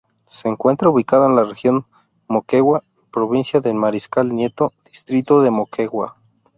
Se encuentra ubicado en la Región Moquegua, provincia de Mariscal Nieto, distrito de Moquegua.